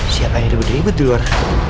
siapanya dibed bed di luar